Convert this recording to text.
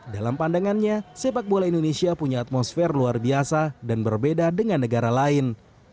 dalam pandangannya sepak bola indonesia punya atmosfer luar biasa dan berbeda dengan negara lain